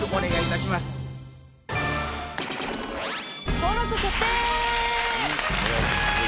登録決定！